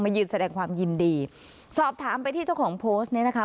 ยืนแสดงความยินดีสอบถามไปที่เจ้าของโพสต์เนี่ยนะคะ